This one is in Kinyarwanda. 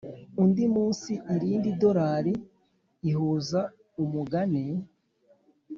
undi munsi, irindi dorari ihuza umugani